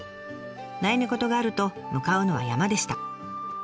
悩み事があると向かうのは山でした。